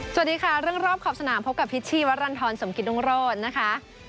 สวัสดีค่ะเรื่องรอบขอบสนามพบกับพิชชี่วรรณฑรสมกิตรุงโรธนะคะ